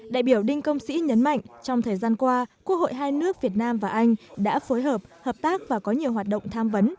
đại biểu đinh công sĩ nhấn mạnh trong thời gian qua quốc hội hai nước việt nam và anh đã phối hợp hợp tác và có nhiều hoạt động tham vấn